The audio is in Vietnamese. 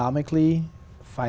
ở hà nội